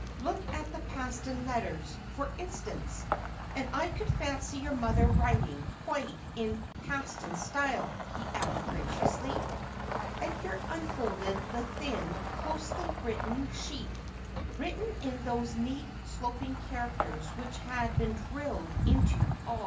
Look at the Paston letters, for instance. And I could fancy your mother writing quite in the Paston style,' he added graciously. Edgar unfolded the thin, closely written sheet, written in those neat, sloping characters which had been drilled into all 320 Asphodel.